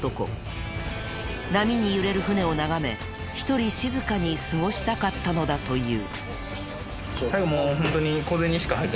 波に揺れる船を眺め一人静かに過ごしたかったのだという。